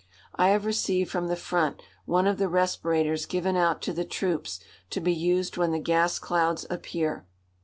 I have received from the front one of the respirators given out to the troops to be used when the gas clouds appear.